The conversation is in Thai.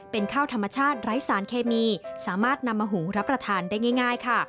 เป็นข้าวธรรมชาติไร้สารเคมีสามารถนำมาหุงรับประทานได้ง่ายค่ะ